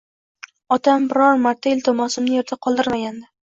otam biror marta iltimosimni yerda qoldirmagandi.